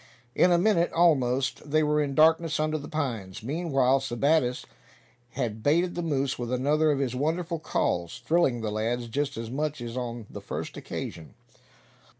In a minute, almost, they were in darkness under the pines. Meanwhile Sebattis had baited the moose with another of his wonderful calls, thrilling the lads just as much as on the first occasion.